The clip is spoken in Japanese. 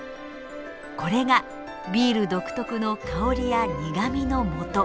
これがビール独特の香りや苦みのもと。